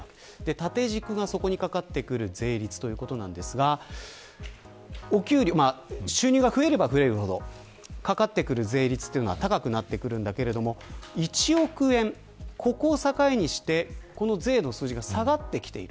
縦軸がそこにかかってくる税率ですが収入が増えれば増えるほどかかってくる税率は高くなってくるけど１億円、ここを境にして税の数字が下がってきている。